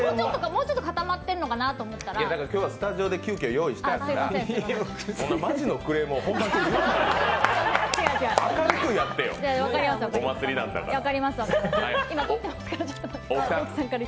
もうちょっと固まっているのかなと思ったらだから今日はスタジオで急きょ、用意したから。